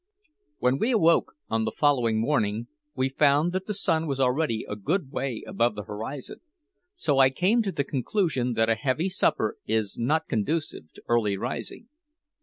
When we awoke on the following morning we found that the sun was already a good way above the horizon, so I came to the conclusion that a heavy supper is not conducive to early rising.